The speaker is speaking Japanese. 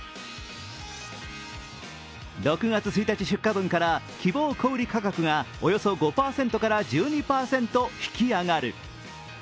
６月１日出荷分から希望小売価格がおよそ５％から１２％引き上がる。